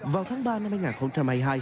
vào tháng ba năm hai nghìn hai mươi hai